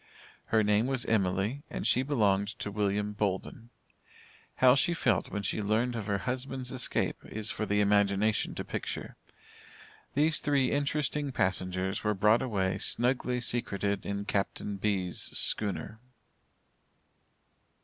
Her name was Emily, and she belonged to William Bolden. How she felt when she learned of her husband's escape is for the imagination to picture. These three interesting passengers were brought away snugly secreted in Captain B's. schooner.